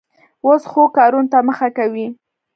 اوس ښو کارونو ته مخه کوي.